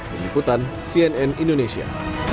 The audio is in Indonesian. meniputan cnn indonesia